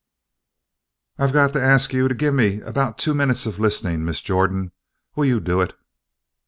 "I got to ask you to gimme about two minutes of listening, Miss Jordan. Will you do it?"